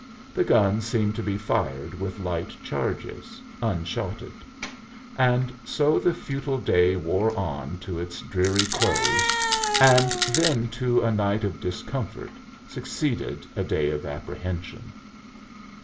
The guns seemed to be fired with light charges, unshotted. And so the futile day wore on to its dreary close, and then to a night of discomfort succeeded a day of apprehension.